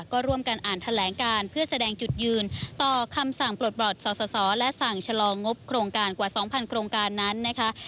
ก็ร่วมกันอ่านแถลงการเพื่อแสดงจุดยืนต่อคำสั่งปลดบรอดสอสอและสั่งชะลองบโครงการกว่า๒๐๐โครงการนั้นนะคะ